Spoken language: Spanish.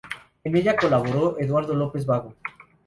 En ella colaboró Eduardo López Bago.